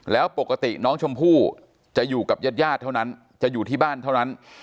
แล้วปกติน้องชมพู่จะอยู่กับญาติญาติเท่านั้นจะอยู่ที่บ้านเท่านั้น